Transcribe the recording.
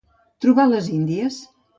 Trobar les índies.